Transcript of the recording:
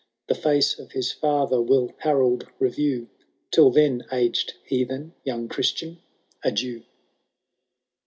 The face of his father will Harold review ; Till then, aged Heathen, young Christian, adieu